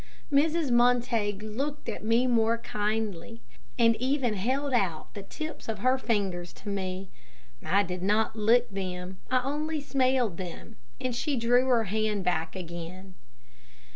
Mrs. Montague looked at me more kindly, and even held out the tips of her fingers to me. I did not lick them. I only smelled them, and she drew her hand back again.